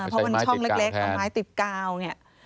เพราะมันช่องเล็กเอาไม้ติดกาวเนี่ย